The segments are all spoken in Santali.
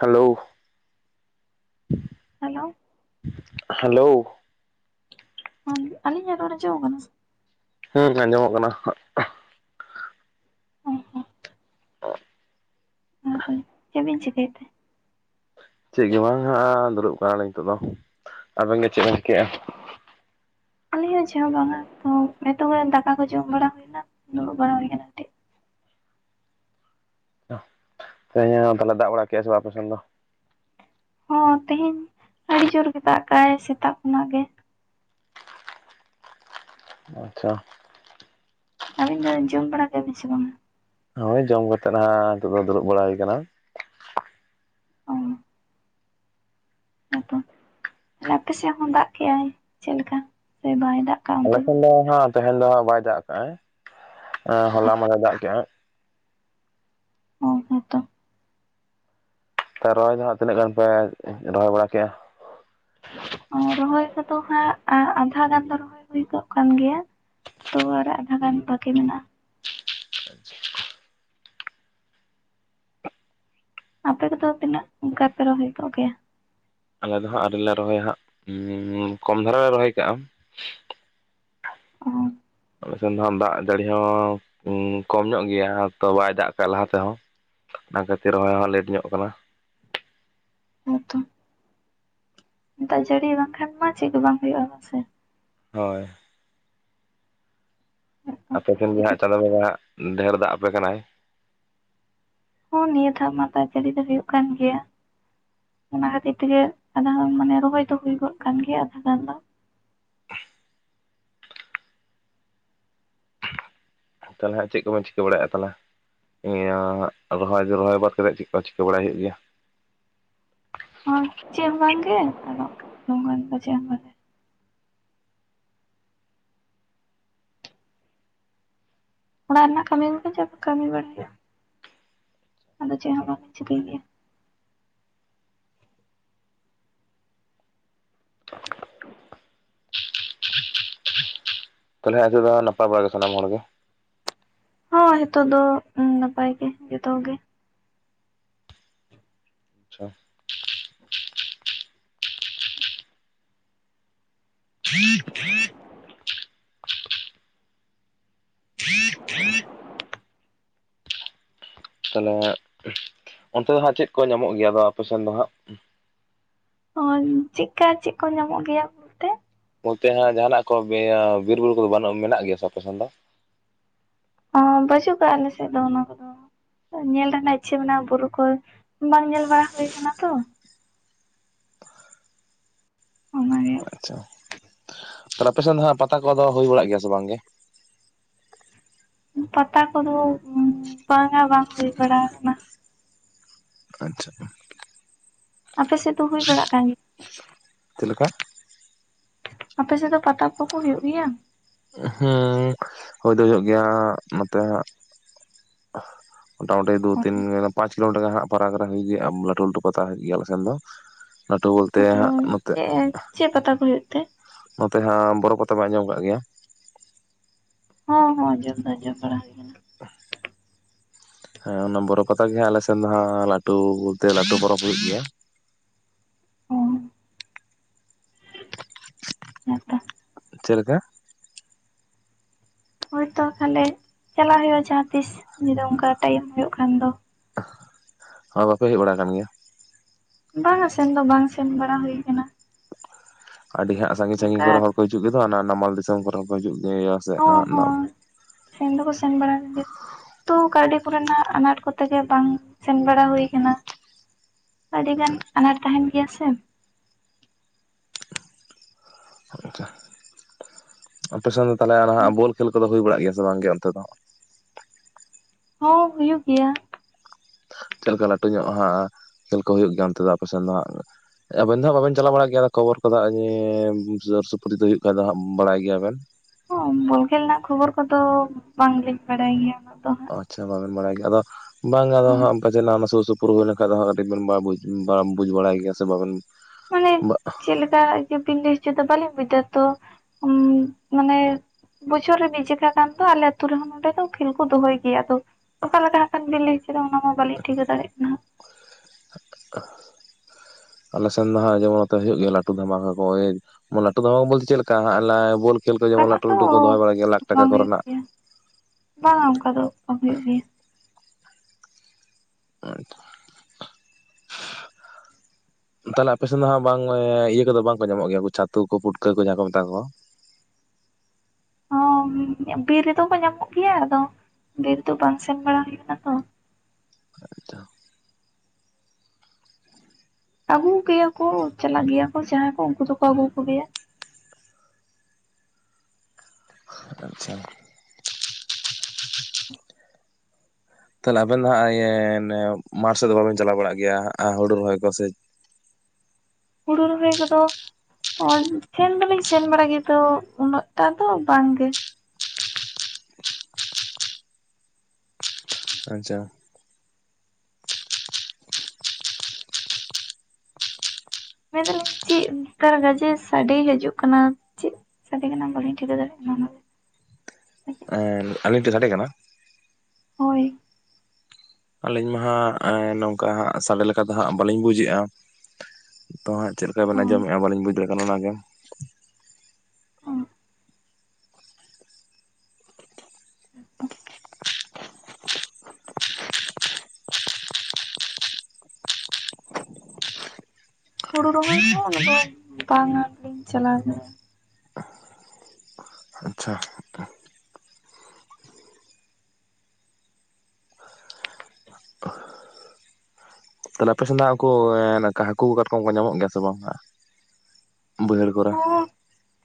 ᱦᱮᱞᱳᱣ? ᱦᱮᱞᱳᱣ? ᱦᱮᱞᱳᱣ ᱦᱚᱸ ᱟᱞᱤᱧᱟᱜ ᱨᱚᱲ ᱟᱡᱚᱢᱚᱜ ᱜᱱᱟ᱾ ᱦᱮᱸ ᱟᱸᱡᱚᱢᱚᱜ ᱠᱟᱱᱟ᱾ ᱦᱮᱸ ᱦᱮᱸ [inaudible] ᱪᱮᱵᱤᱧ ᱪᱷᱤᱠᱟᱹᱭᱮᱫ ᱛᱮ? ᱪᱮᱜ ᱜᱮ ᱵᱟᱝ ᱦᱟᱸᱜ ᱟᱻ ᱫᱩᱲᱩᱵ ᱠᱟᱱᱟᱞᱤᱧ ᱱᱤᱛᱚᱜ ᱫᱚ᱾ ᱟᱵᱮᱱ ᱜᱮ ᱪᱮᱫ ᱵᱮᱱ ᱪᱤᱠᱟᱹᱭᱮᱼᱟ? ᱟᱞᱤᱧ ᱦᱚᱸ ᱪᱮ ᱦᱚᱸ ᱵᱟᱝᱟ ᱛᱚ ᱱᱤᱛᱚᱝ ᱨᱮᱱ ᱫᱟᱠᱟ ᱠᱚ ᱡᱚᱢ ᱵᱟᱲᱟ ᱦᱩᱭᱱᱟ᱾ ᱫᱩᱲᱩᱵ ᱵᱟᱲᱟ ᱦᱩᱭ ᱠᱟᱱᱟ ᱠᱟᱹᱴᱤ᱾ ᱛᱮᱦᱮᱧ ᱛᱟᱦᱚᱞᱮ ᱫᱟᱜ ᱵᱟᱲᱟ ᱠᱮᱜ- ᱟ ᱛᱟᱦᱞᱮ ᱥᱮ ᱵᱟᱝ ᱟᱯᱮᱥᱮᱱ ᱫᱚ? ᱦᱚᱸ ᱛᱮᱦᱮᱧ ᱟᱹᱰᱤ ᱡᱳᱨ ᱜᱮ ᱫᱟᱜ ᱠᱟᱼᱟᱭ ᱥᱮᱛᱟᱜ ᱠᱷᱚᱱᱟᱜ ᱜᱮ᱾ ᱟᱪᱪᱷᱟ᱾ ᱟᱹᱵᱤᱱ ᱫᱚ ᱡᱚᱢ ᱵᱟᱲᱟ ᱠᱮᱜ-ᱟ ᱵᱤᱱ ᱥᱮ ᱵᱟᱝᱟ? ᱦᱳᱭ ᱡᱚᱢ ᱠᱟᱛᱮᱫ ᱦᱟᱸᱜ ᱱᱤᱛᱚᱜ ᱫᱚ ᱫᱩᱲᱩᱵ ᱵᱟᱲᱟ ᱦᱩᱭ ᱠᱟᱱᱟ᱾ ᱚ᱾ ᱦᱮᱸᱛᱚ᱾ ᱛᱟᱦᱚᱞᱮ ᱟᱯᱮ ᱥᱮᱫ ᱦᱚᱸ ᱫᱟᱜ ᱠᱮ-ᱟᱭ ᱪᱮᱫ ᱞᱮᱠᱟ ᱥᱮ ᱵᱟᱭ ᱫᱟᱜ ᱠᱟᱜ-ᱟ ᱚᱱᱛᱮ ᱟᱞᱮ ᱥᱮᱱ ᱫᱚ ᱦᱟᱸᱜ ᱛᱟᱦᱮᱧ ᱫᱚ ᱦᱟᱸᱜ ᱵᱟᱭ ᱫᱟᱜ ᱟᱠᱟᱭᱟᱼᱟ ᱮᱸ ᱦᱚᱞᱟ ᱢᱟᱫᱷᱮᱨ ᱫᱟᱜ ᱠᱮᱼᱟᱭ᱾ ᱚ ᱦᱮᱸᱛᱚ ᱛᱟᱣ ᱨᱚᱦᱚᱭ ᱫᱚ ᱦᱟᱸᱜ ᱛᱤᱱᱟᱹᱜ ᱜᱟᱱ ᱯᱮ ᱨᱚᱦᱚᱭ ᱵᱟᱲᱟ ᱠᱮᱜᱼᱟ᱾ ᱟᱨ ᱨᱚᱦᱚᱭ ᱠᱚᱫᱚ ᱦᱟᱸᱜ ᱟᱸ ᱟᱫᱷᱟ ᱜᱟᱱ ᱫᱚ ᱨᱚᱦᱚᱭ ᱦᱩᱭ ᱠᱚᱜ ᱠᱟᱱ ᱜᱮᱭᱟ᱾ ᱛᱚ ᱟᱨ ᱟᱫᱷᱟ ᱜᱟᱱ ᱵᱟᱠᱤ ᱢᱮᱱᱟᱜᱼᱟ᱾ [inaudible] ᱟᱯᱮ ᱫᱚ ᱯᱮ ᱛᱤᱱᱟᱹᱜ ᱚᱱᱠᱟ ᱯᱮ ᱨᱚᱦᱚᱭ ᱠᱟᱜ ᱜᱮᱭᱟ? ᱟᱞᱮ ᱫᱚ ᱦᱟᱸᱜ ᱟᱹᱣᱨᱤ ᱞᱮ ᱨᱚᱦᱚᱭᱟ ᱦᱟᱸᱜ᱾ ᱩᱸᱢᱠᱚᱢ ᱫᱷᱟᱨᱟ ᱞᱮ ᱨᱚᱦᱚᱭ ᱠᱟᱜᱼᱟ᱾ ᱚ᱾ ᱟᱞᱮ ᱥᱮᱱ ᱫᱚ ᱦᱟᱸᱜ ᱫᱟᱜ ᱡᱟᱹᱲᱤ ᱦᱚᱸ ᱠᱚᱢ ᱧᱚᱜ ᱜᱮᱭᱟ᱾ ᱦᱟᱸ ᱛᱚ ᱵᱟᱭ ᱫᱟᱜ ᱠᱟᱜ ᱞᱟᱦᱟ ᱛᱮᱦᱚᱸ᱾ ᱚᱱᱟ ᱠᱷᱟᱹᱛᱤᱨ ᱨᱚᱦᱚᱭ ᱦᱚᱸ ᱞᱮᱴ ᱧᱚᱜ ᱠᱟᱱᱟ᱾ ᱦᱚᱸ ᱛᱚ᱾ ᱫᱟᱜ ᱡᱟᱹᱲᱤ ᱵᱟᱝᱠᱷᱟᱱ ᱢᱟ ᱪᱮᱫ ᱦᱚᱸ ᱵᱟᱝ ᱦᱩᱭᱩᱜᱼᱟ ᱵᱟᱝᱥᱮ᱾ ᱦᱳᱭ᱾ ᱟᱯᱮ ᱴᱷᱮᱱ ᱜᱮ ᱪᱤᱠᱟᱹ ᱦᱟᱸᱜ ᱪᱟᱸᱫᱳ ᱵᱚᱸᱜᱟ ᱦᱟᱸᱜ ᱰᱷᱮᱨ ᱫᱟᱜ ᱟᱯᱮ ᱠᱟᱱᱟᱭ᱾ ᱦᱚᱸ ᱱᱤᱭᱟᱹ ᱫᱷᱟᱣ ᱢᱟ ᱛᱚ ᱡᱟᱹᱲᱤ ᱫᱚ ᱦᱩᱭᱩᱜ ᱠᱟᱱ ᱜᱮᱭᱟ᱾ ᱚᱱᱟ ᱠᱷᱟᱹᱛᱤᱨ ᱛᱮᱜᱮ ᱟᱫᱷᱟ ᱜᱟᱱ ᱢᱟᱱᱮ ᱨᱚᱦᱚᱭ ᱫᱚ ᱦᱩᱭᱩ ᱜᱚᱫ ᱠᱟᱱ ᱜᱮᱭᱟ ᱟᱫᱷᱟ ᱜᱟᱱ ᱫᱚ᱾ ᱛᱟᱞᱦᱮ ᱦᱟᱸᱜ ᱪᱮᱫ ᱠᱚᱵᱮᱱ ᱪᱤᱠᱟᱹ ᱵᱟᱲᱟᱭᱮᱜᱼᱟ ᱛᱚᱦᱚᱞᱮ᱾ ᱤᱭᱟᱹ ᱦᱟᱸᱜ ᱨᱚᱦᱚᱭ ᱫᱚ ᱨᱚᱦᱚᱭ ᱵᱟᱫ ᱠᱟᱛᱮᱫ ᱪᱮᱫ ᱠᱚ ᱪᱤᱠᱟᱹ ᱵᱟᱲᱟᱭ ᱦᱩᱭᱩᱜ ᱜᱮᱭᱟ᱾ ᱦᱚᱸ ᱪᱮᱫ ᱦᱚᱸᱵᱟᱝ ᱜᱮ᱾ ᱟᱫᱚ ᱱᱚᱝᱠᱟᱱ ᱞᱮᱠᱟ ᱪᱮᱫ ᱦᱚᱸ ᱵᱟᱝ ᱜᱮ᱾ ᱚᱲᱟᱜ ᱨᱮᱱᱟᱜ ᱠᱟᱹᱢᱤ ᱠᱚᱜᱮ ᱡᱟ ᱠᱚ ᱠᱟᱹᱢᱤ ᱵᱟᱲᱟ ᱦᱩᱭᱩᱜ-ᱟ᱾ ᱟᱫᱚ ᱪᱮᱜ ᱦᱚᱸ ᱵᱟᱝ ᱞᱤᱧ ᱪᱤᱠᱟᱹᱭ ᱜᱮᱭᱟ᱾ ᱛᱟᱞᱦᱮ ᱟᱨ ᱫᱤᱭᱮ ᱫᱚ ᱟᱨ ᱱᱟᱯᱟᱭ ᱵᱟᱲᱟ ᱜᱮ ᱥᱟᱱᱟᱢ ᱦᱚᱲ ᱜᱮ᱾ ᱦᱤᱭ ᱦᱤᱛᱳᱜ ᱫᱚ ᱱᱟᱯᱟᱭ ᱜᱮ ᱡᱚᱛᱚ ᱠᱚᱜᱮ᱾ ᱟᱪᱪᱷᱟ᱾ [inaudible] [inaudible] ᱛᱟᱞᱦᱮ ᱚᱱᱛᱮ ᱫᱚ ᱦᱟᱸᱜ ᱪᱮᱫ ᱠᱚ ᱧᱟᱢᱚᱜ ᱜᱮᱭᱟ ᱟᱫᱚ ᱟᱯᱮᱥᱮᱱ ᱫᱚ ᱦᱟᱸᱜ? ᱚᱱ ᱪᱮᱜᱠᱟ ᱪᱮᱜ ᱠᱚ ᱧᱟᱢᱚᱜ ᱜᱮᱭᱟ? ᱵᱚᱞᱛᱮ ᱚᱱᱛᱮ ᱦᱟᱸᱜ ᱡᱟᱦᱟᱱᱟᱜ ᱠᱚ ᱜᱮ ᱤᱭᱟᱹ ᱵᱤᱨᱵᱩᱨᱩ ᱠᱚᱫᱚ ᱵᱟᱹᱱᱩᱜ-ᱟ ᱢᱮᱱᱟᱜ ᱜᱮᱭᱟ ᱥᱮ ᱵᱟ ᱟᱯᱮᱥᱮᱱ ᱫᱚ? ᱚ ᱵᱟᱪᱩᱜ ᱠᱟᱜᱼᱟ ᱟᱞᱮᱥᱮᱫ ᱫᱚ ᱚᱱᱟ ᱠᱚᱫᱚ᱾ ᱛᱚ ᱧᱮᱞ ᱨᱮᱱᱟᱜ ᱤᱪᱪᱷᱟᱹ ᱢᱮᱱᱟᱜᱼᱟ ᱵᱩᱨᱩ ᱠᱚ᱾ ᱵᱟᱝ ᱧᱮᱞ ᱵᱟᱲᱟ ᱦᱩᱭ ᱟᱠᱟᱱᱟ ᱛᱚ᱾ ᱚᱱᱟ ᱜᱮ᱾ ᱟᱪᱪᱷᱟ᱾ ᱛᱟᱦᱚᱞᱮ ᱟᱯᱮᱥᱮᱱ ᱫᱚ ᱦᱟᱸᱜ ᱯᱟᱛᱟ ᱠᱚᱫᱚ ᱦᱩᱭ ᱵᱟᱲᱟᱜ ᱜᱮᱭᱟ ᱥᱮ ᱵᱟᱝ ᱜᱮ? ᱯᱟᱛᱟ ᱠᱚᱫᱚ ᱵᱟᱝ-ᱟ ᱵᱟᱝ ᱦᱩᱭ ᱵᱟᱲᱟᱣ ᱠᱟᱱᱟ᱾ ᱟᱪᱪᱷᱟ᱾ ᱟᱯᱮᱥᱮᱫ ᱫᱚ ᱦᱩᱭ ᱵᱟᱲᱟᱜ ᱠᱟᱱ ᱜᱮ? ᱪᱮᱫ ᱞᱮᱠᱟ? ᱟᱯᱮᱥᱮᱫ ᱫᱚ ᱯᱟᱛᱟ ᱯᱚ ᱠᱚ ᱦᱩᱭᱩᱜ ᱜᱮᱭᱟ? ᱦᱩᱸ ᱦᱳᱭ ᱫᱚ ᱦᱩᱭᱩᱜ ᱜᱮᱭᱟ ᱱᱚᱛᱮ ᱦᱟᱸᱜ ᱢᱳᱴᱟᱢᱩᱴᱤ ᱫᱩ ᱛᱤᱱ ᱯᱟᱸᱪ ᱠᱤᱞᱳᱢᱤᱴᱟᱨ ᱜᱟᱱ ᱦᱟᱸᱜ ᱯᱷᱟᱨᱟᱠ ᱨᱮ ᱦᱚᱭᱩᱜ ᱜᱮᱭᱟ ᱦᱟᱸᱜ ᱞᱟᱹᱴᱩ ᱞᱟᱹᱴᱩ ᱯᱟᱛᱟ ᱦᱩᱭᱩᱜ ᱜᱮᱭᱟ ᱟᱞᱮᱥᱮᱱ ᱫᱚ᱾ ᱞᱟᱹᱴᱩ ᱵᱚᱞᱛᱮ ᱟᱫᱚ ᱦᱟᱸᱜ ᱱᱚᱛᱮ ᱪᱮᱫ ᱪᱮᱫ ᱯᱟᱛᱟ ᱠᱚ ᱦᱩᱭᱩᱜ ᱛᱮ? ᱱᱚᱛᱮ ᱦᱟᱸᱜ ᱵᱚᱨᱚ ᱯᱟᱛᱟ ᱵᱮᱱ ᱟᱸᱡᱚᱢ ᱠᱟᱜ ᱜᱮᱭᱟ? ᱦᱚᱸ ᱦᱚᱸ ᱟᱡᱚᱢ ᱫᱚ ᱟᱡᱚᱢ ᱵᱟᱲᱟ ᱦᱩᱭᱠᱟᱱᱟ᱾ [inaudible] ᱦᱮᱸ ᱚᱱᱟ ᱵᱚᱨᱚ ᱯᱟᱛᱟ ᱜᱮ ᱦᱟᱸᱜ ᱟᱞᱮᱥᱱ ᱫᱚ ᱦᱟᱸᱜ ᱞᱟᱹᱴᱩ ᱵᱚᱞᱛᱮ ᱞᱟᱹᱴᱩ ᱯᱚᱨᱚᱵᱽ ᱦᱩᱭᱩᱜ ᱜᱮᱭᱟ᱾ ᱚ᱾ [inaudible] ᱦᱮᱸ ᱛᱚ᱾ ᱪᱮᱫᱞᱮᱠᱟ? ᱦᱳᱭ ᱛᱚ ᱛᱟᱦᱚᱞᱮ ᱪᱟᱞᱟᱣ ᱦᱩᱭᱩᱜᱼᱟ ᱡᱟᱦᱟᱸ ᱛᱤᱥ, ᱡᱩᱫᱤ ᱚᱱᱠᱟ ᱴᱟᱭᱤᱢ ᱦᱳᱭᱳᱜ ᱠᱷᱟᱱ ᱫᱚ᱾ ᱟ ᱵᱟᱯᱮ ᱦᱮᱡ ᱵᱟᱲᱟᱣ ᱠᱟᱱ ᱜᱮᱭᱟ? ᱵᱟᱝᱟ ᱥᱮᱱ ᱫᱚ ᱵᱟᱝ ᱥᱮᱱ ᱵᱟᱲᱟ ᱦᱩᱭ ᱠᱟᱱᱟ᱾ ᱟᱹᱰᱤ ᱦᱟᱸᱜ ᱥᱟᱺᱜᱤᱧ ᱥᱟᱺᱜᱤᱧ ᱠᱚ ᱨᱮᱱ ᱦᱚᱲ ᱠᱚ ᱦᱤᱡᱩᱜ ᱜᱮ ᱫᱚ ᱚᱱᱟ ᱱᱟᱢᱟᱞ ᱫᱤᱥᱚᱢ ᱠᱚᱨᱮ ᱦᱚᱸ ᱠᱚ ᱦᱤᱡᱩᱜ ᱜᱮᱭᱟ ᱥᱮ ᱦᱚᱸ ᱱᱟᱦᱟᱜ ᱱᱟᱜ ᱦᱚᱸ ᱥᱮᱱ ᱫᱚᱠᱚ ᱥᱮᱱ ᱵᱟᱲᱟᱣ ᱟᱠᱟᱱ ᱜᱮᱭᱟ᱾ ᱛᱚ ᱠᱟᱹᱣᱰᱤ ᱠᱚᱨᱮᱱᱟᱜ ᱟᱱᱟᱴ ᱠᱚᱛᱮ ᱜᱮ ᱵᱟᱝ ᱥᱮᱱ ᱵᱟᱲᱟ ᱦᱩᱭ ᱟᱠᱟᱱᱟ᱾ ᱟᱹᱰᱤ ᱜᱟᱱ ᱟᱱᱟᱴ ᱛᱟᱦᱮᱸᱱ ᱜᱮᱭᱟ ᱥᱮ᱾ ᱟᱪᱪᱷᱟ᱾ ᱟᱯᱮ ᱥᱮᱱ ᱫᱚ ᱛᱟᱦᱚᱞᱮ ᱚᱱᱟ ᱦᱟᱸᱜ ᱵᱳᱞ ᱠᱷᱮᱞ ᱠᱚᱫᱚ ᱦᱩᱭ ᱵᱟᱲᱟᱜ ᱜᱮᱭᱟ ᱥᱮ ᱵᱟᱝ ᱜᱮ ᱚᱱᱛᱮ ᱫᱚ? ᱦᱚᱸ ᱦᱩᱭᱩᱜ ᱜᱮᱭᱟ᱾ ᱪᱮᱫ ᱞᱮᱠᱟ ᱞᱟᱹᱴᱩ ᱧᱚᱜ ᱦᱟᱸᱜ ᱠᱷᱮᱞ ᱠᱚ ᱦᱩᱭᱩᱜ ᱜᱮᱭᱟ ᱚᱱᱛᱮ ᱫᱚ ᱟᱯᱮ ᱥᱮᱱ ᱫᱚ ᱦᱟᱸᱜ? ᱟᱵᱮᱱ ᱫᱚ ᱦᱟᱸᱜ ᱵᱟᱵᱮᱱ ᱪᱟᱞᱟᱣ ᱵᱟᱲᱟᱜ ᱜᱮᱭᱟ ᱟᱫᱟ ᱠᱷᱚᱵᱚᱨ ᱠᱚᱫᱚ ᱦᱟᱸᱜ ᱧᱮᱻ ᱥᱩᱨ ᱥᱩᱯᱩᱨᱤ ᱫᱚ ᱦᱩᱭᱩᱜ ᱠᱷᱟᱡ ᱫᱚ ᱦᱟᱸᱜ ᱵᱟᱲᱟᱭ ᱜᱮᱭᱟ ᱵᱮᱱ᱾ ᱦᱚᱸ ᱵᱚᱞ ᱠᱷᱮᱞ ᱨᱮᱱᱟᱜ ᱠᱷᱚᱵᱚᱨ ᱠᱚᱫᱚ ᱵᱟᱝ ᱞᱤᱧ ᱵᱟᱲᱟᱭ ᱜᱮᱭᱟ ᱩᱱᱟᱹᱜ ᱫᱚ ᱦᱟᱸᱜ᱾ ᱚ ᱟᱪᱪᱷᱟ ᱵᱟᱵᱮᱱ ᱵᱟᱲᱟᱭ ᱜᱮᱭᱟ᱾ ᱟᱫᱚ ᱵᱟᱝ ᱜᱮ ᱟᱫᱚ ᱦᱟᱸᱜ ᱚᱱᱠᱟ ᱪᱮᱫ ᱚᱱᱟ ᱥᱩᱨ ᱥᱩᱯᱩᱨ ᱦᱩᱭ ᱞᱮᱱᱠᱷᱟᱱ ᱫᱚ ᱦᱟᱸᱜ ᱠᱟᱹᱴᱤᱡ ᱵᱤᱱ ᱵᱟᱲᱟ ᱵᱩᱡ ᱵᱟᱲᱟᱭ ᱜᱮᱭᱟ ᱥᱮ ᱵᱟᱵᱮᱱ ᱢᱟᱱᱮ [unintelligible] ᱪᱮᱫ ᱞᱮᱠᱟ ᱡᱮ ᱵᱤᱱ ᱞᱟᱹᱭ ᱦᱚᱪᱚᱭ ᱫᱟ ᱵᱟᱹᱞᱤᱧ ᱵᱩᱡᱫᱟ ᱛᱚ᱾ ᱩᱸᱢ ᱢᱟᱱᱮ ᱵᱚᱪᱷᱚᱨ ᱨᱮ ᱢᱤᱫ ᱡᱚᱠᱷᱟ ᱠᱟᱱ ᱫᱚ ᱟᱞᱮ ᱟᱛᱩ ᱨᱮᱦᱚᱸ ᱱᱚᱰᱮ ᱫᱚ ᱠᱷᱮᱞ ᱠᱚ ᱫᱚᱦᱚᱭ ᱜᱮᱭᱟ ᱟᱫᱚ ᱚᱠᱟ ᱞᱮᱠᱟ ᱦᱟᱸᱜ ᱠᱷᱟᱱ ᱵᱤᱱ ᱞᱟᱹᱭ ᱦᱚᱪᱚᱭᱫᱟ ᱚᱱᱟ ᱢᱟ ᱵᱟᱞᱤᱧ ᱴᱷᱤᱭᱠᱟᱹ ᱫᱟᱲᱮᱭᱟᱜ ᱠᱟᱱᱟ ᱦᱟᱸᱜ᱾ ᱟᱞᱮ ᱥᱮᱱ ᱫᱚ ᱦᱟᱸᱜ ᱡᱮᱢᱚᱱ ᱱᱚᱛᱮ ᱦᱩᱭᱩᱜ ᱜᱮᱭᱟ ᱞᱟᱹᱴᱩ ᱫᱷᱟᱢᱟᱠᱟ ᱠᱚ ᱳᱭ ᱢᱟᱱᱮ ᱞᱟᱹᱴᱩ ᱫᱷᱟᱢᱟᱠᱟ ᱵᱚᱞᱛᱮ ᱪᱮᱫ ᱞᱮᱠᱟ ᱦᱟᱸᱜ ᱞᱟᱭ ᱵᱚᱞ ᱠᱷᱮᱞ ᱠᱚ ᱡᱮᱢᱚᱱ ᱚᱱᱠᱟᱱᱟᱜ ᱞᱟᱹᱴᱩ ᱫᱚ ᱞᱟᱹᱴᱩ ᱠᱚ ᱫᱚᱦᱚᱭ ᱵᱟᱲᱟᱭ ᱜᱮᱭᱟ, ᱞᱟᱠᱷ ᱵᱟᱝ ᱴᱟᱠᱟ ᱠᱚ ᱦᱩᱭᱩᱜ ᱨᱮᱱᱟᱜ᱾ ᱜᱮᱭᱟ ᱵᱟᱝᱟ ᱚᱱᱠᱟ ᱫᱚ ᱵᱟᱝ ᱦᱩᱭᱩᱜ ᱜᱮᱭᱟ᱾ [inaudible] [inaudible] ᱛᱟᱦᱚᱞᱮ ᱟᱯᱮ ᱥᱮᱫ ᱫᱚ ᱦᱟᱸᱜ ᱵᱟᱝ ᱤᱭᱟᱹ ᱠᱚᱫᱚ ᱵᱟᱝ ᱠᱚ ᱧᱟᱢᱚᱜ ᱜᱮᱭᱟ ᱩᱱᱠᱩ ᱪᱷᱟᱛᱩ ᱠᱚ ᱯᱩᱴᱠᱟᱹ ᱠᱚ ᱡᱟᱦᱟᱸ ᱠᱚ ᱢᱮᱛᱟ ᱠᱚᱣᱟ᱾ ᱦᱚᱸ ᱵᱤᱨ ᱨᱮᱫᱚ ᱠᱚ ᱧᱟᱢᱚᱜ ᱜᱮᱭᱟ ᱟᱫᱚ ᱵᱤᱨ ᱫᱚ ᱵᱟᱝ ᱥᱮᱱ ᱵᱟᱲᱟ ᱦᱩᱭᱩᱜ ᱠᱟᱱᱟ ᱛᱚ᱾ ᱟᱪᱪᱷᱟ᱾ ᱟᱹᱜᱩ ᱠᱮᱭᱟ ᱠᱚ ᱪᱟᱞᱟᱜ ᱜᱮᱭᱟ ᱠᱚ ᱡᱟᱦᱟᱸᱭ ᱠᱚ ᱩᱱᱠᱩ ᱫᱚᱠᱚ ᱟᱹᱜᱩ ᱠᱚ ᱜᱮᱭᱟ᱾ ᱟᱪᱪᱷᱟ ᱛᱟᱦᱚᱞᱮ ᱟᱵᱮᱱ ᱫᱚ ᱦᱟᱸᱜ ᱤᱭᱟ. ᱢᱟᱴᱷ ᱥᱮᱫ ᱫᱚ ᱵᱟᱵᱮᱱ ᱪᱟᱞᱟᱣ ᱵᱟᱲᱟᱜ ᱜᱮᱭᱟ ᱦᱩᱲᱩ ᱨᱚᱦᱚᱭ ᱠᱚ ᱥᱮ᱾ ᱦᱩᱲᱩ ᱨᱚᱦᱚᱭ ᱠᱚᱫᱚ ᱚ ᱥᱮᱱ ᱫᱚ ᱞᱤᱧ ᱥᱮᱱ ᱵᱟᱲᱟ ᱜᱮᱭᱟ ᱛᱚ ᱩᱱᱟᱹᱜ ᱴᱟ ᱫᱚ ᱵᱟᱝ ᱜᱮ᱾ ᱟᱪᱪᱷᱟ ᱢᱮᱱ ᱫᱟᱞᱤᱧ ᱪᱮᱫ [unintelligible] ᱜᱟᱡᱮ ᱥᱟᱰᱮ ᱦᱤᱡᱩᱜ ᱠᱟᱱᱟ, ᱪᱮᱫ? ᱥᱟᱰᱮ ᱠᱟᱱᱟ ᱵᱟᱹᱞᱤᱧ ᱴᱷᱤᱠᱟᱹ ᱫᱟᱲᱮᱜ ᱠᱟᱱᱟ ᱚᱱᱟ ᱫᱚ᱾ ᱮᱸ ᱟᱹᱞᱤᱧ ᱴᱷᱮᱱ ᱥᱟᱰᱮ ᱠᱟᱱᱟ᱾ ᱦᱳᱭ ᱟᱹᱞᱤᱧ ᱢᱟ ᱦᱟᱸᱜ ᱮ ᱱᱚᱝᱠᱟ ᱦᱟᱸᱜ ᱥᱟᱰᱮ ᱞᱮᱠᱟ ᱫᱚ ᱦᱟᱸᱜ ᱵᱟᱞᱤᱧ ᱵᱩᱡᱮᱜ-ᱟ᱾ ᱛᱚ ᱦᱟᱸᱜ ᱪᱮᱫ ᱞᱮᱠᱟ ᱚ ᱵᱮᱱ ᱟᱸᱡᱚᱢᱮᱫ-ᱟ ᱵᱟᱹᱞᱤᱧ ᱵᱩᱡᱽ ᱫᱟᱲᱮᱭᱟᱜ ᱠᱟᱱᱟ ᱚᱱᱟ ᱜᱮ᱾ ᱚ [inaudible] ᱦᱩᱲᱩ ᱨᱚᱦᱚᱭ ᱫᱚ ᱩᱱᱟᱹᱜ ᱫᱚ ᱵᱟᱝ-ᱟ ᱵᱟ. ᱧ ᱪᱟᱞᱟᱣ ᱟᱠᱟᱱᱟ ᱾ ᱟᱪᱪᱷᱟ ᱾ ᱛᱟᱦᱞᱮ ᱟᱯᱮ ᱥᱮᱫ ᱩᱱᱠᱩ ᱦᱟᱹᱠᱩ ᱠᱟᱴᱠᱚᱢ ᱠᱚ ᱧᱟᱢᱚᱜ ᱜᱮᱭᱟ ᱥᱮ ᱵᱟᱝ ᱦᱟᱸᱜ, ᱵᱟᱹᱭᱦᱟᱹᱲ ᱠᱚ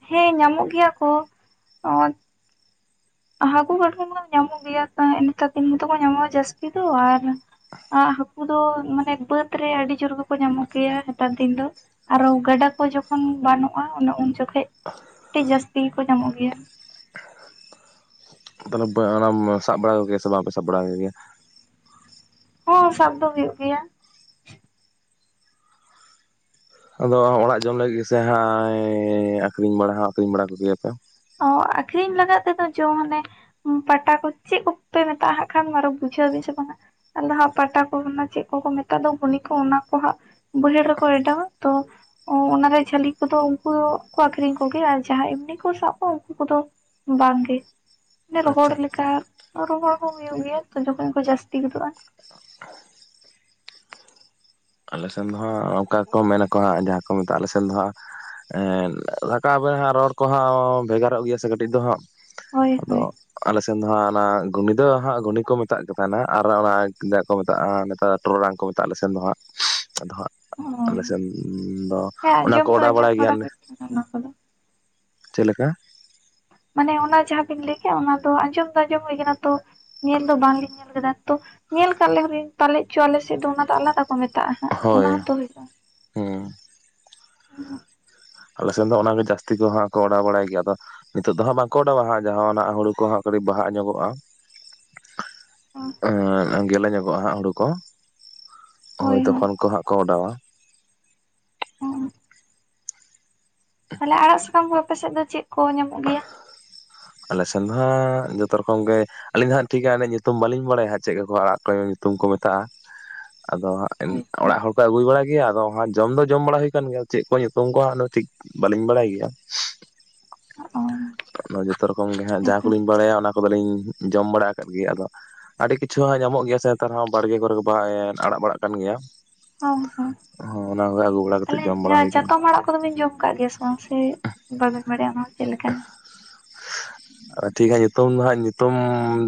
ᱦᱮᱸ ᱧᱟᱢᱚᱜ ᱜᱮᱭᱟ ᱠᱚ [inaudible] ᱦᱟᱹᱠᱩ ᱠᱟᱴᱠᱚᱢ ᱢᱟ ᱧᱟᱢᱚᱜ ᱜᱮᱭᱟ ᱦᱮ ᱮ ᱱᱮᱛᱟᱨ ᱫᱤᱱ ᱜᱮᱛᱚ ᱠᱚ ᱧᱟᱢᱚᱜ-ᱟ ᱡᱟᱹᱥᱛᱤ ᱫᱚ ᱟᱨ [inaudible] ᱟ ᱦᱟᱹᱠᱩ ᱫᱚ ᱢᱟᱱᱮ ᱵᱟᱹᱫᱽ ᱨᱮ ᱟᱹᱰᱤ ᱡᱳᱨ ᱜᱮᱠᱚ ᱧᱟᱢᱚᱜ ᱜᱮᱭᱟ ᱦᱮᱛᱟᱨ ᱫᱤᱱ ᱫᱚ᱾ ᱟᱨᱚ ᱜᱟᱰᱟ ᱠᱚ ᱡᱚᱠᱷᱚᱱ ᱵᱟᱱᱚᱜ-ᱟ ᱚᱱᱮ ᱩᱱ ᱡᱚᱠᱷᱚᱱ ᱡᱟᱹᱥᱛᱤ ᱠᱚ ᱧᱟᱢᱚᱜ ᱜᱮᱭᱟ᱾ ᱟᱫᱚ [inaudible] ᱚᱱᱟᱢ ᱥᱟᱵ ᱵᱟᱲᱟ ᱠᱚᱜᱮᱭᱟ ᱥᱮ ᱵᱟᱯᱮ ᱥᱟᱵ ᱵᱟᱲᱟ ᱠᱚᱜᱮᱭᱟ ᱾ ᱦᱚᱸ ᱥᱟᱵ ᱫᱚ ᱦᱩᱭᱩᱜ ᱜᱮᱭᱟ᱾ ᱟᱫᱚ ᱚᱲᱟᱜ ᱡᱚᱢ ᱞᱟᱹᱜᱤᱫ ᱥᱮ ᱦᱟᱸᱜ ᱟᱹᱠᱷᱨᱤᱧ ᱵᱟᱲᱟ ᱦᱚᱸ ᱟᱹᱠᱷᱨᱤᱧ ᱵᱟᱲᱟ ᱠᱚ ᱜᱮᱭᱟ ᱯᱮ᱾ ᱚ ᱟᱹᱠᱷᱨᱤᱧ ᱞᱟᱜᱟᱫ ᱛᱮᱫᱚ ᱡᱚᱢ ᱢᱟᱱᱮ ᱯᱟᱴᱟ ᱠᱚ ᱪᱮᱫ ᱠᱚᱯᱮ ᱢᱮᱛᱟᱜ-ᱟ ᱦᱟᱜ ᱠᱷᱟᱱ ᱟᱨᱚ ᱵᱩᱡᱷᱟᱹᱣ ᱟᱵᱤᱱ ᱥᱮ ᱵᱟᱝ-ᱟ᱾ ᱟᱫᱚ ᱦᱟᱜ ᱯᱟᱴᱟ ᱠᱚ ᱚᱱᱟ ᱪᱮᱫ ᱠᱚᱠᱚ ᱢᱮᱛᱟᱜ ᱫᱚ ᱜᱩᱱᱤ ᱠᱚ ᱚᱱᱟ ᱠᱚ ᱦᱟᱸᱜ᱾ ᱵᱟᱭᱦᱟᱹᱲ ᱨᱮᱠᱚ ᱚᱰᱟᱣᱟ ᱛᱚ᱾ ᱚ ᱚᱱᱟᱨᱮ ᱡᱷᱟᱹᱞᱤ ᱠᱚᱫᱚ ᱩᱱᱠᱩ ᱫᱚᱠᱚ ᱟᱠᱷᱨᱤᱧ ᱠᱚᱜᱮ ᱭᱟ ᱟᱨ ᱡᱟᱸᱦᱟᱸ ᱮᱢᱱᱤ ᱠᱚ ᱥᱟᱵ ᱠᱚ ᱩᱱᱠᱩ ᱠᱚᱫᱚ ᱵᱟᱝ ᱜᱮ [inaudible] ᱨᱚᱦᱚᱲ ᱟᱪᱪᱷᱟ ᱞᱮᱠᱟ᱾ ᱨᱚᱦᱚᱲ ᱦᱚᱸ ᱦᱩᱭᱩᱜ ᱜᱮᱭᱟ ᱛᱚ ᱡᱚᱠᱷᱚᱱ ᱠᱚ ᱡᱟᱹᱥᱛᱤ ᱜᱚᱫᱚᱜᱼᱟ᱾ ᱟᱞᱮ ᱥᱮᱱ ᱫᱚ ᱦᱟᱸᱜ ᱚᱱᱠᱟ ᱠᱚ ᱢᱮᱱᱟᱠᱚ ᱦᱟᱸᱜ, ᱡᱟᱸᱦᱟ ᱠᱚ ᱢᱮᱛᱟᱜᱼᱟ ᱟᱞᱮ ᱥᱮᱱ ᱫᱚ ᱦᱟᱸᱜ᱾ ᱮᱱ [unintelligible] ᱨᱚᱲ ᱠᱚᱦᱚᱸ ᱵᱷᱮᱜᱟᱨᱚᱜ ᱜᱮᱭᱟ ᱥᱮ ᱠᱟᱹᱴᱤᱡ ᱫᱚ ᱦᱟᱸᱜ᱾ ᱦᱳᱭ ᱟᱫᱚ ᱦᱳᱭ ᱟᱞᱮᱥᱮᱱ ᱫᱚ ᱦᱟᱸᱜ ᱚᱱᱟ ᱜᱷᱩᱱᱤ ᱫᱚ ᱦᱟᱸᱜ ᱜᱷᱩᱱᱤ ᱠᱚ ᱢᱮᱛᱟᱜ ᱠᱟᱱᱟ ᱱᱟᱜ᱾ ᱟᱨ ᱚᱱᱟ [inaudible] ᱠᱚ ᱢᱮᱛᱟᱜᱼᱟ ᱱᱮᱛᱟᱨ᱾ ᱴᱚᱨᱚᱴᱟᱝ ᱠᱚ ᱢᱮᱛᱟᱜ-ᱟ ᱟᱞᱮ ᱥᱮᱱ ᱫᱚ ᱦᱟᱸᱜ᱾ ᱟᱫᱚ ᱦᱟᱸᱜ ᱚ ᱟᱞᱮ ᱥᱮᱱ ᱫᱚ ᱦᱮᱸ ᱚᱱᱟ ᱟᱸᱡᱚᱢ ᱠᱚ ᱫᱚ ᱚᱰᱟᱣ ᱟᱸᱡᱚᱢ ᱵᱟᱲᱟᱭ ᱵᱟᱲᱟ ᱜᱮᱭᱟᱞᱮ᱾ ᱦᱩᱭ ᱚᱱᱟ ᱠᱚᱫᱚ ᱪᱮᱫ ᱞᱮᱠᱟ? ᱢᱟᱱᱮ ᱚᱱᱟ ᱡᱟᱸᱦᱟᱸ ᱵᱤᱱ ᱞᱟᱹᱭ ᱠᱮᱜ-ᱟ ᱚᱱᱟ ᱫᱚ ᱟᱸᱡᱚᱢ ᱫᱚ ᱟᱸᱡᱚᱢ ᱦᱩᱭ ᱠᱟᱱᱟ ᱛᱚ᱾ ᱧᱮᱞ ᱫᱚ ᱵᱟᱝ ᱞᱤᱧ ᱧᱮᱞ ᱠᱟᱫᱟ ᱛᱚ ᱧᱮᱞ ᱠᱟᱜ ᱨᱮᱦᱚᱞᱮᱧ ᱯᱟᱞᱮ ᱪᱚ ᱟᱞᱮ ᱥᱮᱫ ᱫᱚ ᱚᱱᱟ ᱫᱚ ᱟᱞᱟᱫᱟ ᱠᱚ ᱢᱮᱛ ᱦᱳᱭ, ᱦᱩᱸ [inaudible] ᱟᱞᱮ ᱥᱮᱱ ᱫᱚ ᱚᱱᱟᱜᱮ ᱡᱟᱹᱥᱛᱤ ᱠᱚ ᱦᱟᱸᱜ ᱠᱚ ᱚᱰᱟᱣ ᱵᱟᱲᱟᱭ ᱜᱮᱭᱟ ᱟᱫᱚ, ᱱᱤᱛᱚᱜ ᱫᱚ ᱦᱟᱸ ᱵᱟᱝ ᱠᱚ ᱚᱰᱟᱣᱣᱟ ᱡᱚᱦᱚᱜ ᱦᱩᱲᱩ ᱠᱚᱦᱚᱸ ᱠᱟᱹᱴᱤᱡ ᱵᱟᱦᱟ ᱧᱚᱜᱚᱜᱼᱟ᱾ ᱮᱜ ᱜᱮᱞᱮ ᱧᱚᱜᱚᱜᱼᱟ ᱦᱩᱲᱩ ᱠᱚ᱾ ᱦᱳᱭ ᱛᱚᱠᱷᱚᱱ ᱠᱚ ᱦᱟᱸᱜ ᱠᱚ ᱚᱰᱟᱣᱟ᱾ ᱛᱟᱞᱦᱮ ᱟᱲᱟᱜ ᱥᱟᱠᱟᱢ ᱠᱚ ᱟᱯᱮᱥᱮᱫ ᱫᱚ ᱪᱮᱫ ᱠᱚ ᱧᱟᱢᱚᱜ ᱜᱮᱭᱟ? ᱟᱞᱮ ᱥᱮᱱᱫᱚ ᱦᱟᱸᱜ ᱡᱚᱛᱚ ᱨᱚᱠᱚᱢ ᱜᱮ ᱟᱹᱞᱤᱧ ᱫᱚ ᱦᱟᱸᱜ ᱴᱷᱤᱠ ᱦᱟᱜ ᱧᱩᱛᱩᱢ ᱵᱟᱹᱞᱤᱧ ᱵᱟᱲᱟᱭᱟ ᱪᱮᱫᱠᱟ ᱠᱚ ᱟᱲᱟᱜ ᱠᱚ ᱧᱩᱛᱩᱢ ᱠᱚ ᱢᱮᱛᱟᱜᱼᱟ ᱟᱫᱚ ᱦᱟᱸᱜ ᱤᱱ ᱦᱳᱭ ᱚᱲᱟᱜ ᱦᱚᱲ ᱠᱚ ᱟᱹᱜᱩᱭ ᱵᱟᱲᱟᱭ ᱟᱜᱩᱭᱟ ᱟᱫᱚ ᱦᱟᱸᱜ ᱡᱚᱢ ᱫᱚ ᱡᱚᱢ ᱵᱟᱲᱟ ᱦᱩᱭ ᱠᱟᱱ ᱜᱮᱭᱟ ᱪᱮᱫ ᱠᱚ ᱧᱩᱛᱩᱢ ᱠᱚ ᱦᱟᱸᱜ ᱴᱷᱤᱠ ᱵᱟᱹᱞᱤᱧ ᱵᱟᱲᱟᱭ ᱜᱮᱭᱟ ᱚ ᱡᱚᱛᱚ ᱨᱚᱠᱚᱢ ᱜᱮ ᱦᱟᱸᱜ ᱡᱟᱦᱟᱸ ᱦᱮᱸᱛᱚ ᱠᱚᱞᱤᱧ ᱵᱟᱲᱟᱭᱟ ᱚᱱᱟ ᱠᱚᱫᱚᱞᱤᱧ ᱡᱚᱢ ᱵᱟᱲᱟ ᱟᱠᱟᱫ ᱜᱮ ᱟᱫᱚ ᱟᱹᱰᱤ ᱠᱤᱪᱷᱩ ᱦᱟᱸᱜ ᱧᱟᱢᱚᱜ ᱜᱮᱭᱟ ᱥᱮ ᱱᱮᱛᱟᱨ ᱦᱚᱸ ᱵᱟᱲᱜᱮ ᱠᱚᱨᱮ ᱵᱟᱦᱟ ᱮ ᱟᱲᱟᱜ ᱵᱟᱲᱟᱜ ᱠᱟᱱ ᱜᱮᱭᱟ ᱦᱚᱸ ᱦᱚᱸ ᱦᱚᱸ ᱚᱱᱟ ᱠᱚᱜᱮ ᱟᱹᱜᱩ ᱵᱟᱲᱟ ᱠᱟᱛᱮᱫ ᱡᱚᱢ ᱛᱟᱞᱦᱮ ᱵᱟᱲᱟ ᱦᱩᱭ ᱠᱟᱱᱟ ᱪᱟᱛᱚᱢ ᱟᱲᱟᱜ ᱠᱚᱫᱚ ᱵᱤᱱ ᱡᱚᱢ ᱠᱟᱜ ᱜᱮᱭᱟ ᱥᱮᱼᱼ ᱚ ᱥᱮ ᱵᱟᱵᱮᱱ ᱵᱟᱲᱟᱭᱟ ᱚᱱᱟ ᱪᱮᱫ ᱞᱮᱠᱟᱱ ᱟᱫᱚ ᱴᱷᱤᱠ ᱦᱟᱜ ᱧᱩᱛᱩᱢ ᱫᱚ ᱦᱟᱸᱜ ᱧᱩᱛᱩᱢ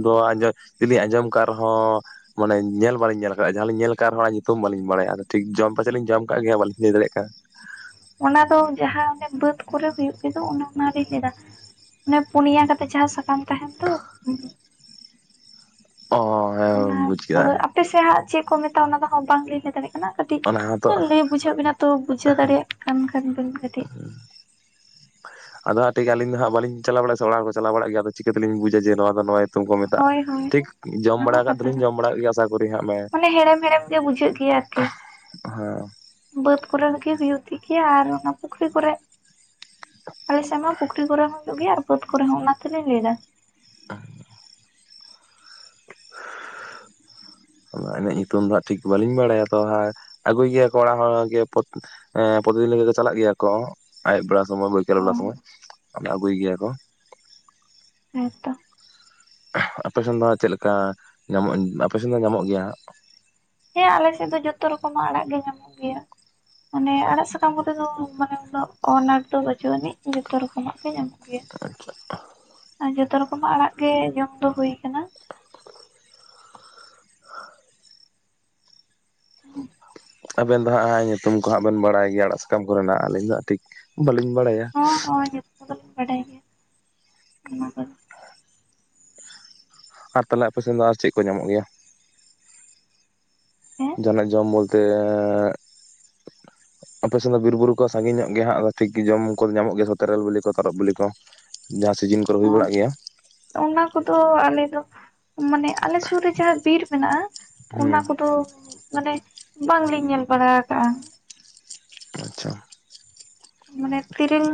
ᱫᱚ ᱟᱸᱡᱚᱢ ᱡᱩᱫᱤ ᱟᱸᱡᱚᱢ ᱠᱟᱜ ᱨᱮᱦᱚᱸ ᱢᱟᱱᱮ ᱧᱮᱞ ᱵᱟᱞᱤᱧ ᱧᱮᱞ ᱠᱟᱜᱼᱟ ᱡᱟᱦᱟᱸᱞᱤᱧ ᱧᱮᱞ ᱟᱠᱟᱜ ᱨᱮᱦᱚᱸ ᱚᱱᱟ ᱧᱩᱛᱩᱢ ᱵᱟᱞᱤᱧ ᱵᱟᱲᱟᱭᱟ ᱟ ᱴᱷᱤᱠ ᱡᱚᱢ ᱯᱟᱪᱮᱫ ᱞᱤᱧ ᱡᱚᱢ ᱠᱟᱜ ᱜᱮᱭᱟ ᱵᱟᱞᱤᱧ ᱞᱟᱹᱭ ᱫᱟᱲᱮᱭᱟᱜ ᱠᱟᱱᱟ। ᱚᱱᱟ ᱫᱚ ᱡᱟᱦᱟᱸ ᱚᱱᱮ ᱵᱟᱹᱫᱽ ᱠᱚᱨᱮ ᱦᱩᱭᱩᱜ ᱜᱮᱫᱚ ᱚᱱᱮ ᱚᱱᱟ ᱞᱤᱧ ᱞᱟᱹᱭ ᱮᱫᱟ ᱚᱱᱮ ᱯᱩᱱᱭᱟ ᱠᱟᱛᱮᱜ ᱡᱟᱦᱟᱸ ᱥᱟᱠᱟᱢ ᱛᱟᱦᱮᱱ ᱫᱚ ᱚᱻ ᱚᱱᱟ ᱟᱯᱮᱥᱮᱫ ᱦᱟᱸᱜ ᱪᱮᱫ ᱠᱚ ᱢᱮᱛᱟᱜᱼᱟ ᱚᱱᱟ ᱫᱚ ᱦᱟᱸᱜ ᱵᱟᱝ ᱞᱤᱧ ᱞᱟᱹᱭ ᱫᱟᱲᱮᱭᱟᱜ ᱚᱱᱟ ᱠᱟᱹᱴᱤᱡ ᱚᱱᱟ ᱦᱚᱸᱛᱚ ᱞᱟᱹᱭ ᱵᱩᱡᱷᱟᱹᱜ ᱵᱮᱱᱟ ᱛᱚ ᱵᱩᱡᱷᱟᱹᱣ ᱫᱟᱲᱮᱭᱟᱜ ᱠᱟᱱ ᱠᱷᱟᱱ ᱵᱤᱱ ᱠᱟᱹᱴᱤᱡ ᱟᱫᱚ ᱦᱟᱸᱜ ᱴᱷᱤᱠ ᱟᱞᱤᱧ ᱫᱚ ᱦᱟᱸᱜ ᱵᱟᱹᱞᱤᱧ ᱪᱟᱞᱟᱣ ᱵᱟᱲᱟ ᱟᱥᱮ ᱚᱲᱟᱜ ᱦᱚᱲ ᱠᱚ ᱪᱞᱟᱣ ᱵᱟᱲᱟᱜ ᱜᱮᱭᱟ ᱟᱫᱚ ᱪᱤᱠᱟᱹ ᱛᱮᱞᱤᱧ ᱵᱩᱡᱟ ᱡᱮ ᱱᱚᱣᱟ ᱫᱚ ᱱᱚᱣᱟ ᱧᱩᱛᱩᱢ ᱠᱚ ᱢᱮᱛᱟᱜᱼᱟ ᱦᱳᱭ ᱦᱳᱭ ᱴᱷᱤᱠ ᱡᱚᱢ ᱚᱱᱟ ᱵᱟᱲᱟ ᱦᱚᱸ ᱠᱟᱛᱷᱟ ᱫᱚᱞᱤᱧ ᱠᱟᱱᱟ ᱡᱚᱢ ᱵᱟᱲᱟ ᱠᱟᱫ ᱜᱮᱭᱟ ᱟᱥᱟ ᱠᱚᱨᱮ ᱦᱟᱸᱜ ᱢᱮ ᱴᱤ ᱦᱮ ᱵᱟᱹᱫᱽ ᱠᱚᱨᱮ ᱠᱤ ᱦᱩᱭᱩᱜ ᱜᱮᱭᱟ ᱟᱨ ᱚᱱᱟ ᱯᱩᱠᱷᱨᱤ ᱠᱚᱨᱮ ᱟᱞᱮᱥᱮᱫ ᱢᱟ ᱯᱩᱠᱷᱨᱤ ᱠᱚᱨᱮ ᱦᱚᱸ ᱦᱩᱭᱩᱜ ᱜᱮᱭᱟ ᱵᱟᱹᱫᱽ ᱠᱚᱨᱮ ᱦᱚᱸ ᱚᱱᱟ ᱛᱮᱞᱮ ᱞᱟᱹᱭ ᱮᱫᱟ [unintelligible] ᱚᱱᱟ ᱨᱮᱱᱟᱜ ᱧᱩᱛᱩᱢ ᱫᱚ ᱦᱟᱸᱜ ᱴᱷᱤᱠ ᱵᱟᱹᱞᱤᱧ ᱵᱟᱲᱟᱭᱟ ᱛᱚ ᱦᱟᱹᱜ ᱟᱜᱩᱭ ᱜᱮᱭᱟ ᱠᱚ ᱚᱲᱟᱜ ᱦᱚᱲ ᱜᱮᱼᱼ ᱮᱸ ᱯᱨᱚᱛᱤ ᱫᱤᱱ ᱞᱮᱠᱟ ᱠᱚ ᱪᱟᱞᱟᱜ ᱜᱮᱭᱟ ᱠᱚ ᱟᱭᱩᱵ ᱵᱮᱲᱟ ᱥᱚᱢᱚᱭ ᱵᱟᱹᱭᱠᱟᱞ ᱚ ᱵᱮᱞᱟ ᱥᱚᱢᱚᱭ ᱟᱫᱚ ᱟᱜᱩᱭ ᱜᱮᱭᱟ ᱠᱚ᱾ ᱦᱮᱸ ᱛᱚ᱾ ᱟᱯᱮ ᱥᱮᱱ ᱫᱚ ᱦᱟᱸᱜ ᱪᱮᱜ ᱞᱮᱠᱟ ᱧᱟᱢᱚᱜ-ᱟ ᱟᱯᱮ ᱥᱮᱱ ᱫᱚ ᱧᱟᱢᱚᱜ ᱜᱮᱭᱟ ᱦᱟᱸᱜ? ᱦᱮᱸ ᱟᱞᱮ ᱥᱮᱜ ᱫᱚ ᱡᱚᱛᱚ ᱨᱚᱠᱚᱢᱟᱜ ᱟᱲᱟᱜ ᱜᱮ ᱧᱟᱢᱚᱜ ᱜᱮᱭᱟ᱾ ᱢᱟᱱᱮ ᱟᱲᱟᱜ ᱥᱟᱠᱟᱢ ᱠᱚᱨᱮ ᱫᱚ ᱢᱟᱱᱮ ᱩᱱᱟᱹᱜ ᱟᱱᱟᱴ ᱫᱚ ᱵᱟᱹᱪᱩᱜ ᱟᱹᱱᱤᱡ ᱡᱚᱛᱚ ᱨᱚᱠᱚᱢᱟᱜ ᱜᱮ ᱧᱟᱢᱚᱜᱼᱼ ᱜᱮᱭᱟ ᱟᱨ ᱡᱚᱛᱚ ᱨᱚᱠᱚᱢᱟᱜ ᱟᱲᱟᱜ ᱜᱮ ᱡᱚᱢ ᱫᱚ ᱦᱩᱭ ᱠᱟᱱᱟ᱾ ᱦᱚᱸ᱾ ᱟᱵᱮᱱ ᱫᱚ ᱦᱟᱸᱜ ᱧᱩᱛᱩᱢ ᱠᱚ ᱦᱟᱸᱜ ᱵᱮᱱ ᱵᱟᱲᱟᱭ ᱜᱮᱭᱟ ᱟᱲᱟᱜ ᱥᱟᱠᱟᱢ ᱠᱚᱨᱮᱱᱟᱜ ᱟᱹᱞᱤᱧ ᱫᱚ ᱴᱷᱤᱠ ᱵᱟᱹᱞᱤᱧ ᱵᱟᱲᱟᱭᱟ᱾ ᱚᱱᱟ ᱫᱚᱧ ᱵᱟᱰᱟᱭ ᱜᱮᱭᱟ ᱚᱱᱟ ᱠᱚᱫᱚ᱾ ᱟᱨ ᱛᱟᱞᱦᱮ ᱟᱯᱮ ᱥᱮᱱ ᱫᱚ ᱟᱨ ᱪᱮᱜ ᱠᱚ ᱧᱟᱢᱚᱜ ᱜᱮᱭᱟ ᱦᱮᱸ ᱡᱟᱦᱟᱸᱱᱟᱜ ᱡᱚᱢ ᱵᱚᱞᱼᱼ ᱛᱮᱸᱜᱻ ᱟᱯᱮ ᱥᱮᱱ ᱫᱚ ᱵᱤᱨ ᱵᱩᱨᱩ ᱠᱚ ᱥᱟᱸᱜᱤ ᱧᱚᱜ ᱜᱮᱭᱟ ᱦᱟᱸᱜ ᱟᱫᱚ ᱴᱷᱤᱠ ᱜᱮ ᱡᱚᱢ ᱠᱚᱫᱚ ᱧᱟᱢᱚᱜ ᱜᱮᱭᱟ ᱛᱮᱨᱮᱞ ᱵᱤᱞᱤ ᱠᱚ ᱛᱚᱨᱚᱵ ᱵᱤᱞᱤ ᱠᱚ। ᱡᱟᱦᱟᱸ ᱥᱤᱡᱤᱱ ᱠᱚᱨᱮ ᱦᱩᱭ ᱦᱚᱸ ᱵᱟᱲᱟᱜ ᱜᱮᱭᱟ। ᱚᱱᱟ ᱠᱚᱫᱚ ᱟᱞᱮ ᱫᱚ ᱢᱟᱱᱮᱼᱼ ᱟᱞᱮ ᱥᱩᱨ ᱨᱮ ᱡᱟᱦᱟᱸ ᱵᱤᱨ ᱢᱮᱱᱟᱜ-ᱟ ᱚᱱᱟ ᱦᱩᱸ ᱠᱚᱫᱚ ᱢᱟᱱᱮᱼᱼ ᱵᱟᱝ ᱞᱤᱧ ᱧᱮᱞ ᱵᱟᱲᱟ ᱟᱠᱟᱜ-ᱟ᱾ ᱟᱪᱪᱷᱟ᱾ ᱢᱟᱱᱮ ᱛᱤᱨᱤᱞ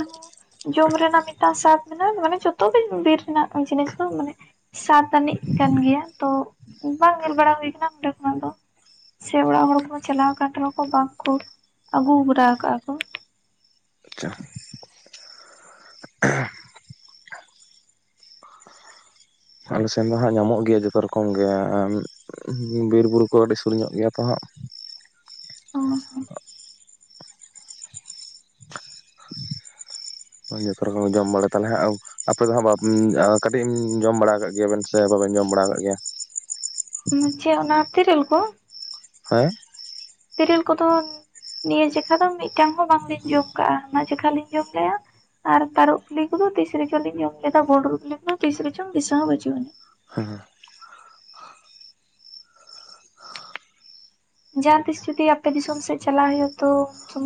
ᱡᱚᱢ ᱨᱮᱱᱟᱜ ᱢᱤᱫᱴᱟᱝ ᱥᱟᱛ ᱢᱮᱱᱟᱜ-ᱟᱱ ᱢᱟᱱᱮ ᱡᱚᱛᱚ ᱜᱮ ᱵᱤᱨ ᱨᱮᱱᱟᱜ ᱡᱤᱱᱤᱥ ᱫᱚ ᱢᱟᱱᱮ ᱥᱟᱛ ᱟᱹᱱᱤᱡ ᱠᱟᱱ ᱜᱮᱭᱟ ᱛᱚ ᱵᱟᱝ ᱧᱮᱞ ᱵᱟᱲᱟ ᱦᱩᱭ ᱠᱟᱱᱟ ᱱᱚᱸᱰᱮ ᱠᱷᱚᱱᱟᱜ ᱫᱚ᱾ ᱥᱮ ᱚᱲᱟᱜ ᱦᱚᱲ ᱠᱚᱦᱚᱸ ᱪᱟᱞᱟᱣ ᱠᱟᱱ ᱨᱮᱦᱚᱸ ᱠᱚ ᱵᱟᱝ ᱠᱚ ᱟᱜᱩᱣ ᱵᱟᱲᱟᱣ ᱠᱟᱜ-ᱟ ᱠᱚ᱾ ᱟᱪᱪᱷᱟ᱾ ᱟᱞᱮ ᱥᱮᱱ ᱫᱚ ᱦᱟᱸᱜ ᱧᱟᱢᱚᱜ ᱜᱮᱭᱟ ᱡᱚᱛᱚ ᱨᱚᱠᱚᱢ ᱜᱮ ᱮᱢ ᱵᱤᱨ ᱵᱩᱨᱩ ᱠᱚ ᱟᱹᱰᱤ ᱥᱩᱨ ᱧᱚᱜ ᱜᱮᱭᱟ ᱛᱚ ᱦᱟᱸᱜ᱾ ᱚ ᱡᱚᱛᱚ ᱨᱚᱠᱚᱢ ᱡᱚᱢ ᱵᱟᱲᱟᱭ ᱛᱟᱞᱮ ᱦᱟᱸᱜ ᱟᱯᱮ ᱫᱚ ᱦᱟᱸᱜ ᱵᱟᱯ ᱩᱧᱻ ᱟ ᱠᱟᱴᱤᱡ ᱮᱢ ᱡᱚᱢ ᱵᱟᱲᱟᱣ ᱠᱟᱜ ᱜᱮᱭᱟ ᱵᱮᱱ ᱥᱮ? ᱥᱮ ᱵᱟᱵᱮᱱ ᱡᱚᱢ ᱵᱟᱲᱟᱣ‌ ᱠᱟᱜ ᱜᱮᱭᱟ? ᱚᱱᱟ ᱪᱮᱜ ᱚᱱᱟ ᱛᱤᱨᱤᱞ ᱠᱚ? ᱦᱮᱸ᱾ ᱛᱤᱨᱤᱞ ᱠᱚᱫᱚ ᱱᱤᱭᱟᱹ ᱡᱮᱠᱷᱟ ᱫᱚ ᱢᱤᱫᱴᱟᱝ ᱦᱚᱸ ᱵᱟᱝ ᱞᱤᱤᱧ ᱡᱚᱢ ᱠᱟᱜ-ᱟ ᱦᱟᱱᱟ ᱡᱮᱠᱷᱟ ᱞᱤᱧ ᱡᱚᱢ ᱞᱮᱜ-ᱟ᱾ ᱟᱨ ᱛᱟᱨᱚᱵ ᱯᱤᱞᱤ ᱠᱩᱫᱩ ᱛᱤᱥ ᱨᱮᱪᱚ ᱞᱤᱧ ᱡᱚᱢ ᱞᱮᱫᱟ᱾ ᱵᱷᱩᱱᱰᱨᱩ ᱵᱤᱞᱤ ᱠᱚᱫᱚ ᱛᱤᱥ ᱨᱮ ᱪᱚᱝ ᱫᱤᱥᱟᱹ ᱦᱚᱸ ᱵᱟᱹᱪᱩᱜ ᱟᱹᱱᱤᱡ᱾ ᱦᱮᱸ᱾ ᱡᱟᱦᱟᱸ ᱛᱤᱥ ᱡᱩᱫᱤ ᱟᱯᱮ ᱫᱤᱥᱚᱢ ᱥᱮᱜ ᱪᱟᱞᱟᱣ ᱦᱩᱭᱩᱜ-ᱟ ᱛᱚ ᱩᱱ ᱥᱩᱢᱟᱹᱼᱼ